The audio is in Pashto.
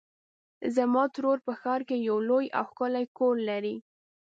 زما ترور په ښار کې یو لوی او ښکلی کور لري.